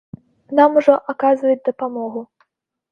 Нам ужо аказваюць дапамогу.